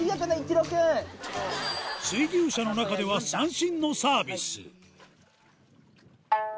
水牛車の中では三線のサービス